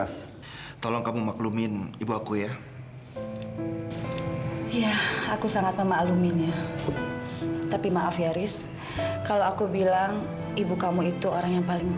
sampai jumpa di video selanjutnya